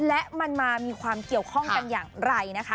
และมันมามีความเกี่ยวข้องกันอย่างไรนะคะ